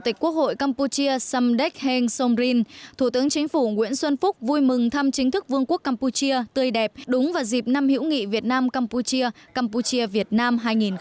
chính phủ nguyễn xuân phúc vui mừng thăm chính thức vương quốc campuchia tươi đẹp đúng vào dịp năm hữu nghị việt nam campuchia campuchia việt nam hai nghìn một mươi bảy